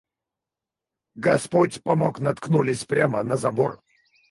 Господь помог, наткнулись прямо на забор.